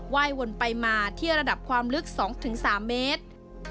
ยวนไปมาที่ระดับความลึก๒๓เมตร